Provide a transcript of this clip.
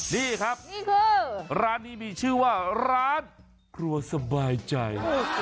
นี่ครับนี่คือร้านนี้มีชื่อว่าร้านครัวสบายใจ